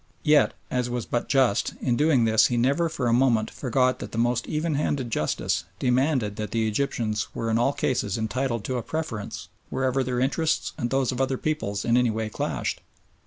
Yet, as was but just, in doing this he never for a moment forgot that the most even handed justice demanded that the Egyptians were in all cases entitled to a preference wherever their interests and those of other peoples in any way clashed.